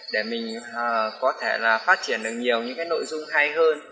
để mình có thể phát triển được nhiều những nội dung hay hơn